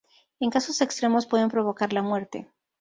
En casos extremos pueden provocar la muerte.